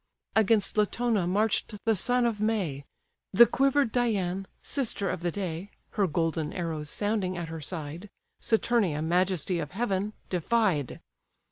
Against Latona march'd the son of May. The quiver'd Dian, sister of the day, (Her golden arrows sounding at her side,) Saturnia, majesty of heaven, defied.